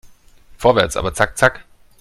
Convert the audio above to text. Vorwärts, aber zack zack!